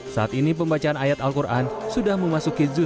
saat ini pembacaan ayat al quran sudah memasuki zul